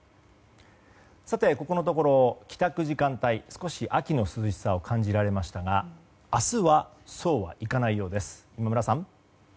ここのところ帰宅時間帯は少し秋の涼しさを感じられましたが明日はそうはいかないようです。